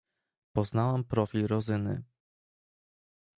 "Poznałam profil Rozyny."